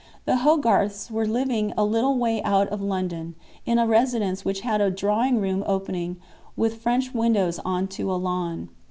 The Hogarths were living a little way out of London, in a residence which had a drawing room opening with French windows on to a lawn.